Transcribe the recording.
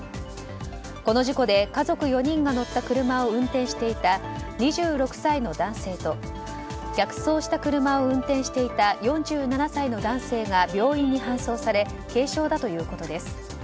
この事故で家族４人が乗った車を運転していた２６歳の男性と逆走した車を運転していた４７歳の男性が病院に搬送され軽傷だということです。